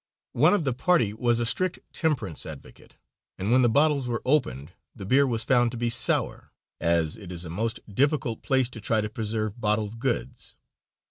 One of the party was a strict temperance advocate, and when the bottles were opened the beer was found to be sour, as it is a most difficult place to try to preserve bottled goods.